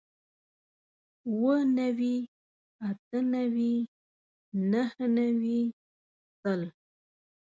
اووه نوي اتۀ نوي نهه نوي سل